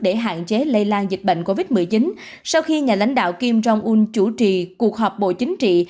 để hạn chế lây lan dịch bệnh covid một mươi chín sau khi nhà lãnh đạo kim jong un chủ trì cuộc họp bộ chính trị